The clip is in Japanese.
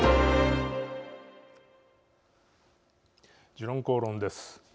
「時論公論」です。